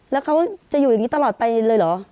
แล้วเขาจะอยู่อย่างนี้ตลอดไปเลยเหรอ